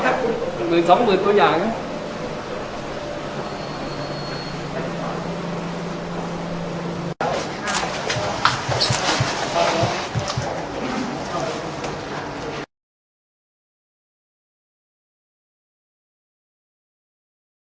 สวัสดีครับ